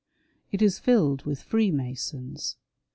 It is filled with Free masons.